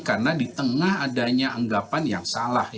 karena di tengah adanya anggapan yang salah